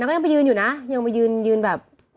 แล้วก็ยังไปยืนอยู่นะยังมายืนยืนแบบ